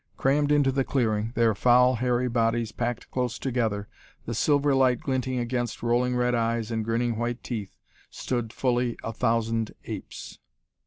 Crammed into the clearing, their foul, hairy bodies packed close together, the silver light glinting against rolling red eyes and grinning white teeth, stood fully a thousand apes!